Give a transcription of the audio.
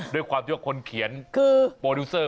ด้วยความที่ว่าคนเขียนคือโปรดิวเซอร์